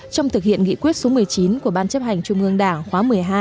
trong thực hiện nghị quyết số một mươi chín của ban chấp hành trung ương đảng khóa một mươi hai